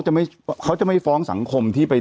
แต่หนูจะเอากับน้องเขามาแต่ว่า